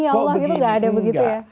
kok begini ya allah